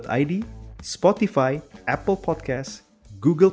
jadi saya agak seperti elon musk saya tidak mendapatkan metaverse